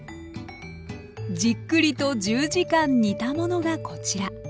じっくりと１０時間煮たものがこちら。